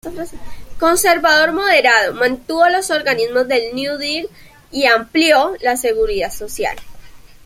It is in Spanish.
Conservador moderado, mantuvo los organismos del New Deal y amplió la Seguridad Social.